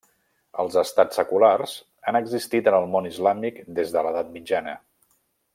Els estats seculars han existit en el món islàmic des de l'edat mitjana.